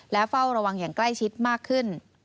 และเฝ้าระวังอย่างใกล้ชิดมากขึ้น